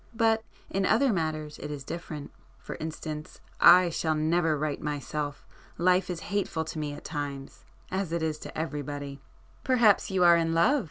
But in other matters it is different. For instance I shall never right myself! Life is hateful to me at times, as it is to everybody." "Perhaps you are in love?"